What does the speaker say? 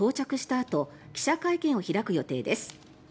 あと記者会見を開く予定です。